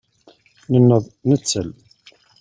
Nenneḍ nettel.